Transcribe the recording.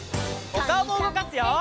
おかおもうごかすよ！